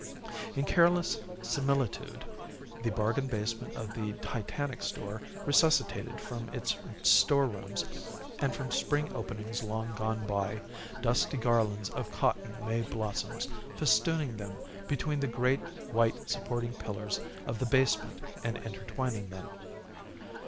In careless similitude the bargain basement of the Titanic Store resuscitated from its storerooms, and from spring openings long gone by, dusty garlands of cotton May blossoms, festooning them between the great white supporting pillars of the basement and intertwining them.